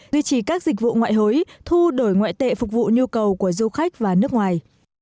duy trì các dịch vụ ngoại hối thu đổi ngoại tệ phục vụ nhu cầu của du khách và nước ngoài